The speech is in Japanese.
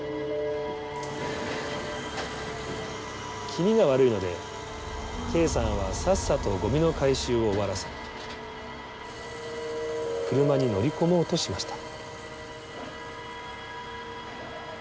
気味が悪いのでＫさんはさっさとゴミの回収を終わらせ車に乗り込もうとしました。